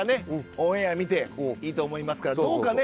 オンエア見ていいと思いますからどうかね